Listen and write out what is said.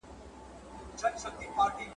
د اوبو سرچینې باید پاکې وساتل شي.